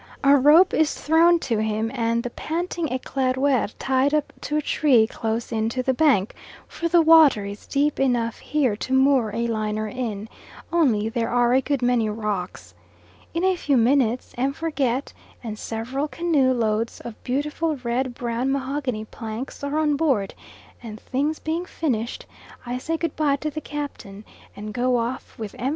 A rope is thrown to him, and the panting Eclaireur tied up to a tree close in to the bank, for the water is deep enough here to moor a liner in, only there are a good many rocks. In a few minutes M. Forget and several canoe loads of beautiful red brown mahogany planks are on board, and things being finished, I say good bye to the captain, and go off with M.